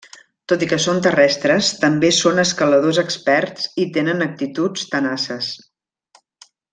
Tot i que són terrestres, també són escaladors experts i tenen actituds tenaces.